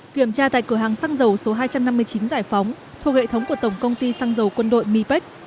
kiểm tra tại cửa hàng xăng dầu số hai trăm năm mươi chín giải phóng thuộc hệ thống của tổng công ty xăng dầu quân đội mipec